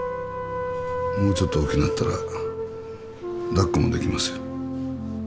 もうちょっと大きくなったら抱っこもできますよ